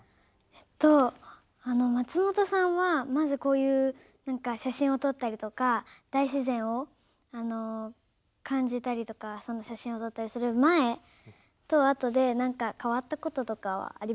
えっと松本さんはまずこういう写真を撮ったりとか大自然を感じたりとか写真を撮ったりする前と後で何か変わったこととかはありましたか？